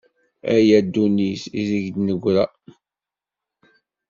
Ah ya ddunit, ideg i d-negra!